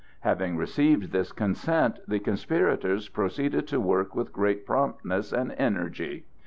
Having received this consent, the conspirators proceeded to work with great promptness and energy.